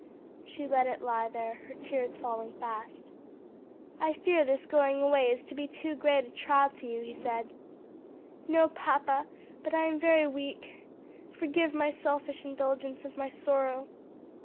She let it lie there, her tears falling fast. "I fear this going away is to be too great a trial to you," he said. "No, papa, but I am very weak. Forgive my selfish indulgence of my sorrow."